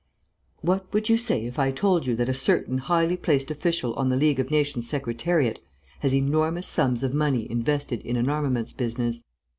"What would you say if I told you that a certain highly placed official on the League of Nations Secretariat has enormous sums of money invested in an armaments business?